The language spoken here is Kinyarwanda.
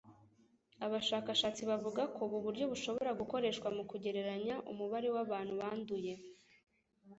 Abashakashatsi bavuga ko ubu buryo bushobora gukoreshwa mu kugereranya umubare w'abantu banduye